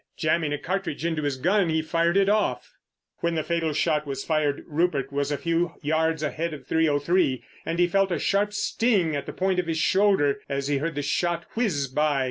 Jamming a cartridge into his gun, he fired it off. When the fatal shot was fired Rupert was a few yards ahead of 303, and he felt a sharp sting at the point of his shoulder as he heard the shot whiz by.